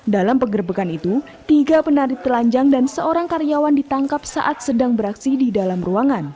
dalam penggerbekan itu tiga penari telanjang dan seorang karyawan ditangkap saat sedang beraksi di dalam ruangan